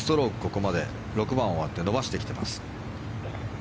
ここまで６番終わって伸ばしてきています。